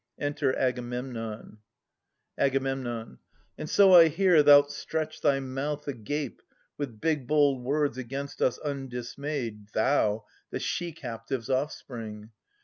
Enter Agamemnon. Ag. And so I hear thou'lt stretch thy mouth agape With big bold words against us undismayed — Thou, the she captive's offspring